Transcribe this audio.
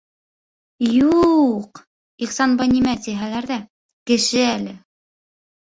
Юу-у-ҡ, Ихсанбай, нимә тиһәләр ҙә, кеше әле!